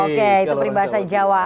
oke itu berbahasa jawa